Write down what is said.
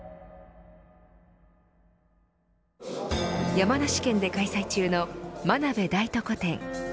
山梨県で開催中の真鍋大度個展。